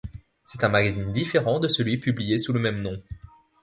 C'est un magazine différent de celui publié sous le même nom.